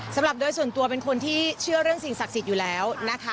สำหรับโดยส่วนตัวเป็นคนที่เชื่อเรื่องสิ่งศักดิ์สิทธิ์อยู่แล้วนะคะ